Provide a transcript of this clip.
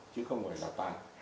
chứ không phải là tan